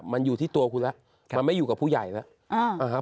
มันอยู่ที่ตัวคุณแล้วมันไม่อยู่กับผู้ใหญ่แล้วนะครับ